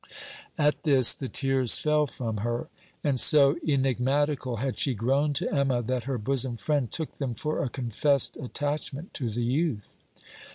At this, the tears fell from her. And so enigmatical had she grown to Emma, that her bosom friend took them for a confessed attachment to the youth.